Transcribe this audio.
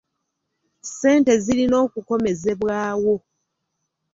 Ssente zirina okukomezebwawo.